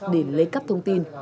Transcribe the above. để lấy cắp thông tin